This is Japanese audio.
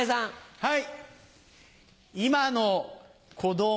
はい。